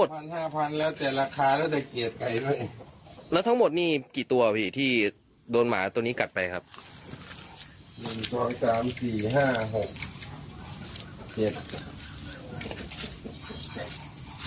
โดนวันนี้เหลือแค่สองใช่ไหมวันนี้โดนหยิบห้าใช่ไหม